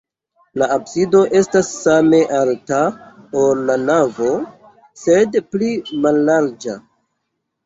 La absido estas same alta, ol la navo, sed pli mallarĝa.